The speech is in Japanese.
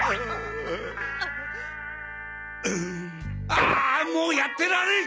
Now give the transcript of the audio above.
あもうやってられん！